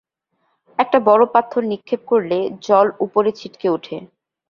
একটা বড় পাথর নিক্ষেপ করলে জল উপরে ছিটকে উঠে!